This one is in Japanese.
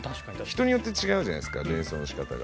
人によって違うじゃないですか連想の仕方が。